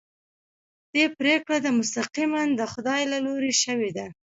دې پرېکړه مستقیماً د خدای له لوري شوې ده.